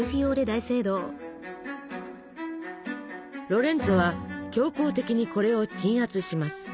ロレンツォは強行的にこれを鎮圧します。